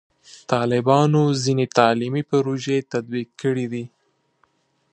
طالبانو ځینې تعلیمي پروژې تطبیق کړي دي.